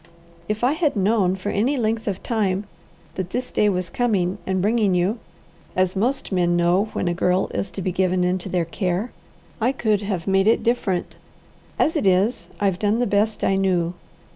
"If I had known for any length of time that this day was coming and bringing you, as most men know when a girl is to be given into their care, I could have made it different. As it is, I've done the best I knew.